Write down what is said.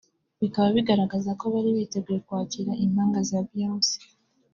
bikaba bigaragaraza ko bari biteguye kwakira impanga za Beyonce